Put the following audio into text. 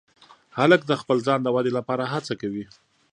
هلک د خپل ځان د ودې لپاره هڅه کوي.